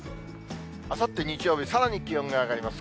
あさって日曜日、さらに気温が上がります。